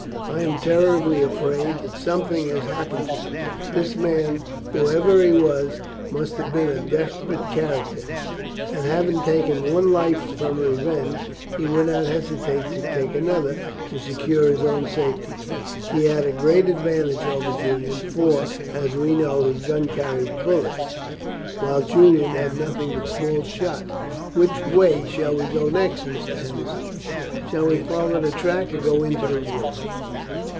I am terribly afraid that something has happened to him. This man, whoever he was, must have been a desperate character, and having taken one life from revenge, he would not hesitate to take another to secure his own safety. He had a great advantage over Julian, for, as we know, his gun carried bullets, while Julian had nothing but small shot. Which way shall we go next, Mr. Henderson shall we follow the track or go into the wood?"